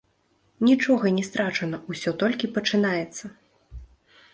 Нічога не страчана, усё толькі пачынаецца!